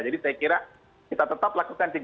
jadi saya kira kita tetap lakukan